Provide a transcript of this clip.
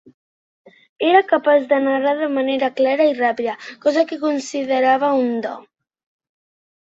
Era capaç de narrar de manera clara i ràpida, cosa que considerava un do.